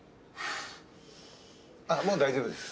あっもう大丈夫です。